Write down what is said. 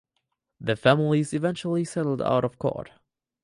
The families eventually settled out of court.